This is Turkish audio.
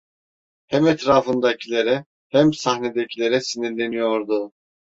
Hem etrafındakilere, hem sahnedekilere sinirleniyordu.